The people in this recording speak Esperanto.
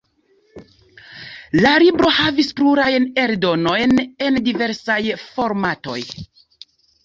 La libro havis plurajn eldonojn en diversaj formatoj.